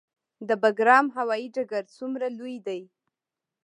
د بګرام هوايي ډګر څومره لوی دی؟